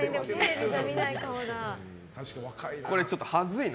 これちょっと、はずいな。